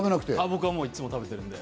僕はいつも食べているので。